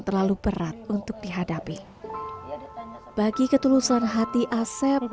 terlalu berat untuk dihadapi bagi ketulusan hati asep